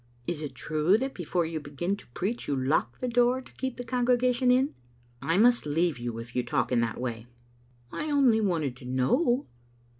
Is it true that before you begin to preach you lock the door to keep the congregation In?" " I must leave you if you talk in that way." " I only wanted to know."